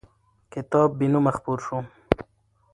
کتاب بېنومه خپور شو.